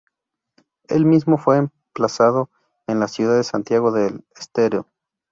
El mismo fue emplazado en la ciudad de Santiago del Estero.